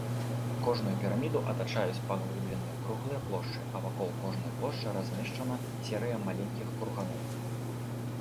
Кожную піраміду атачаюць паглыбленыя круглыя плошчы, а вакол кожнай плошчы размешчана серыя маленькіх курганоў.